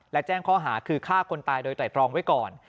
และแจ้งข้อหาคือฆ่าคนตายโดยไตรตรองไว้ก่อน